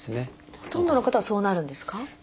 ほとんどの方はそうなるんですか？